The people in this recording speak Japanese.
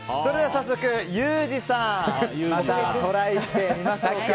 早速、ユージさんまたトライしてみましょうか。